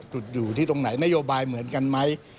จุดอยู่ที่ตรงไหนนโยบายเหมือนกันไหม